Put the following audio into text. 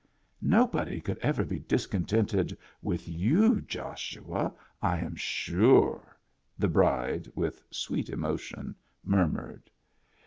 " Nobody could ever be discontented with you, Joshua, I am sure," the bride, with sweet emotion, murmured.